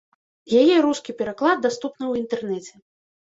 Яе рускі пераклад даступны ў інтэрнэце.